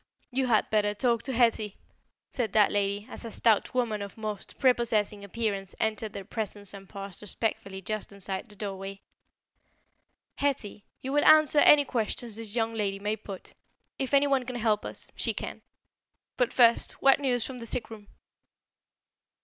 "You had better talk to Hetty," said that lady, as a stout woman of most prepossessing appearance entered their presence and paused respectfully just inside the doorway. "Hetty, you will answer any questions this young lady may put. If anyone can help us, she can. But first, what news from the sick room?"